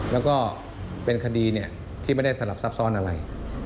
แล้วก็เป็นคดีที่ไม่ได้สลับซับซ้อนอะไร